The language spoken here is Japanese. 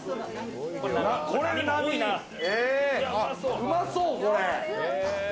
うまそう、これ。